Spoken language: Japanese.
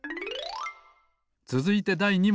つづいてだい２もん！